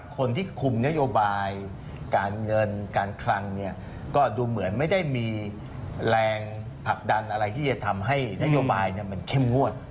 คนที่คุมนโยบายการเงินการคลังเนี่ยก็ดูเหมือนไม่ได้มีแรงผลักดันอะไรที่จะทำให้นโยบายมันเข้มงวด